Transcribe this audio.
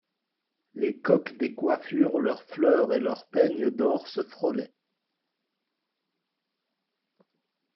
Les coques des coiffures, leurs fleurs et leurs peignes d'or se frôlaient.